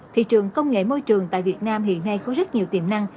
thị trường công nghệ môi trường tại việt nam hiện nay có rất nhiều tiềm năng